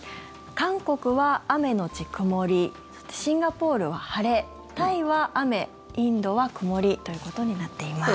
韓国は雨のち曇りシンガポールは晴れタイは雨、インドは曇りということになっています。